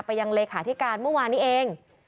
ยังเลขาธิการเมื่อวานนี้เอง